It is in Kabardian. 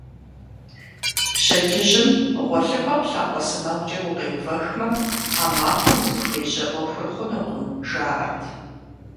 Пщэдджыжьым гъуэлъыпӀэм лъакъуэ сэмэгумкӀэ укъеувэхмэ, а махуэм узыхуежьэ Ӏуэхур хъунукъым, жаӀэрт.